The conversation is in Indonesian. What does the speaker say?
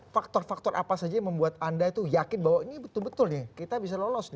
faktor faktor apa saja yang membuat anda itu yakin bahwa ini betul betul nih kita bisa lolos nih